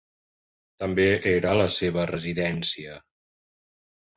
També era la seva residència.